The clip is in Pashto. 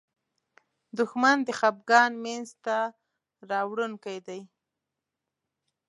دښمن د خپګان مینځ ته راوړونکی دی